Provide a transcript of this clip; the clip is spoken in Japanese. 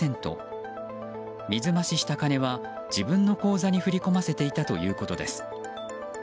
水増しした金は、自分の口座に振り込ませていたということです。